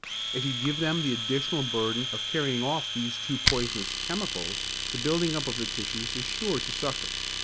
If you give them the additional burden of carrying off these two poisonous chemicals, the building up of the tissues is sure to suffer.